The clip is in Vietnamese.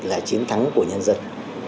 là chiến thắng của nhân dân